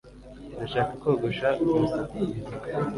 Ndashaka kogosha umusatsi